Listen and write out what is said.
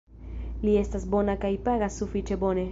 Li estas bona kaj pagas sufiĉe bone.